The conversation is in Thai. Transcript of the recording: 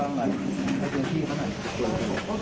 หลังจากที่สุดยอดเย็นหลังจากที่สุดยอดเย็น